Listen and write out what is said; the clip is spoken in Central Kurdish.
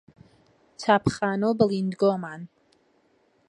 چاپخانە و بڵیندگۆمان